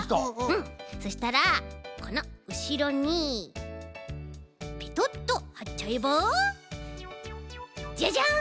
そうしたらこのうしろにペトッとはっちゃえばじゃじゃん！